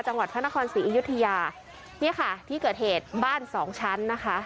จังหวัดพระนครศรีอยุธยาเนี่ยค่ะที่เกิดเหตุบ้านสองชั้นนะคะ